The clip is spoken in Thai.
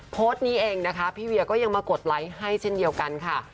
โพสต์นี้เองนะคะพี่เวียก็ยังมากดไลค์ให้เช่นเดียวกันค่ะ